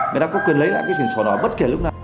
mình đã có quyền lấy lại cái chuyển sổ đó bất kể lúc nào